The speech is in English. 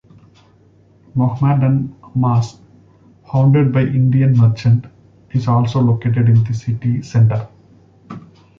Muhammadan Mosque, founded by Indian merchant, is also located in the city centre.